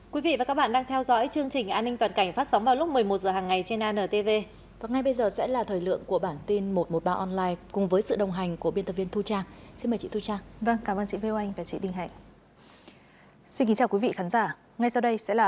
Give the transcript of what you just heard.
các bạn hãy đăng ký kênh để ủng hộ kênh của chúng mình nhé